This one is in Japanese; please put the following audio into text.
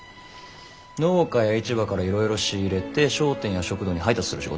農家や市場からいろいろ仕入れて商店や食堂に配達する仕事。